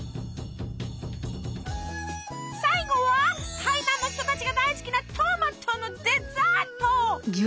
最後は台南の人たちが大好きなトマトのデザート。